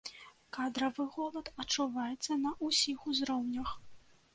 Кадравы голад адчуваецца на ўсіх узроўнях.